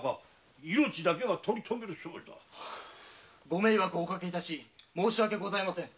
ご迷惑をおかけ致し申し訳ございません。